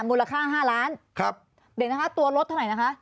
มูลค่าห้าร้านครับเดี๋ยวนะคะตัวรถเท่านั้นไหนนะคะ